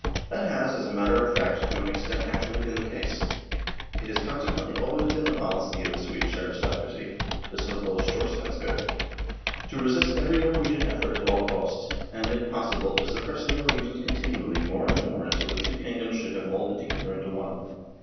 That has, as a matter of fact, to an extent actually been the case. It has consequently always been the policy of the Swedish aristocracy the so called " Storsvensker " to resist every Norwegian effort at all costs, and, if possible, to suppress the Norwegians continually more and more until the two kingdoms should become moulded together into one.